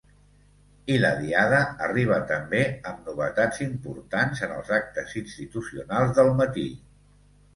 I la Diada arriba també amb novetats importants en els actes institucionals del matí.